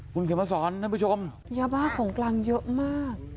คุณเขียนมาสอนท่านผู้ชมยาบ้าของกลางเยอะมาก